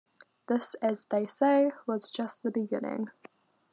This as they say, was just the beginning.